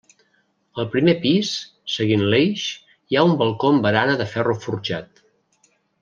Al primer pis, seguint l'eix, hi ha un balcó amb barana de ferro forjat.